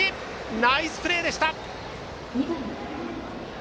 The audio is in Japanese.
ナイスプレーでした！